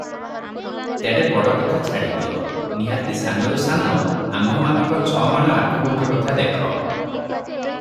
ତେଡ଼େ ବଡ଼ କଥା ଛାଡ଼ିଦିଅ, ନିହାତି ସାନରୁ ସାନ ଆମ୍ଭମାନଙ୍କ 'ଛମାଣ ଆଠଗୁଣ୍ଠ' କଥା ଦେଖ ।